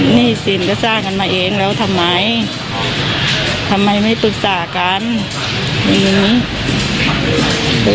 หนี้สินก็สร้างกันมาเองแล้วทำไมทำไมไม่ตุษะกันอีกนิดนึง